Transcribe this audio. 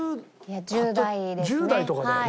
いや１０代ですね。